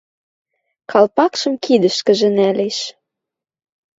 Калпакшым кидӹшкӹжӹ нӓлеш